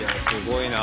すごい。